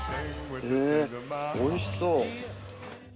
へぇおいしそう。